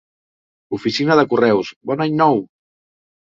Oficina de correus. Bon any nou!